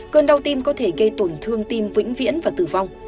cơn đau tim có thể gây tổn thương tim vĩnh viễn và tử vong